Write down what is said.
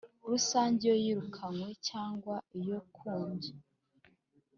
Rusange iyo yirukanywe cyangwa iyo kumbya